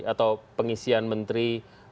atau pengisian menteri